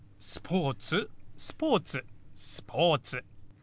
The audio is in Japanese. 「スポーツ」「スポーツ」「スポーツ」。